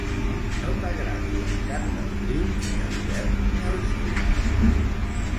No t'agradi el cant del griu, ni a l'hivern ni a l'estiu.